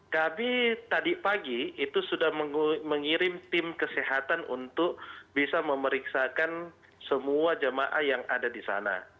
kami tadi pagi itu sudah mengirim tim kesehatan untuk bisa memeriksakan semua jemaah yang ada di sana